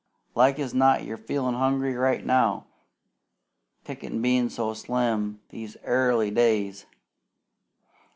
Like as not you're feelin' hungry right now, pickin' bein' so slim these airly days.